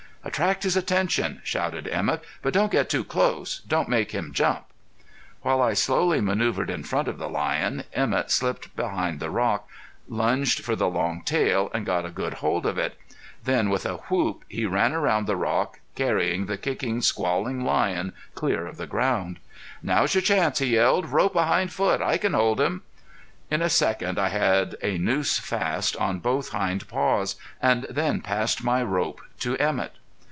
"Attract his attention," shouted Emett, "but don't get too close. Don't make him jump." While I slowly manoeuvered in front of the lion, Emett slipped behind the rock, lunged for the long tail and got a good hold of it. Then with a whoop he ran around the rock, carrying the kicking, squalling lion clear of the ground. "Now's your chance," he yelled. "Rope a hind foot! I can hold him." In a second I had a noose fast on both hind paws, and then passed my rope to Emett.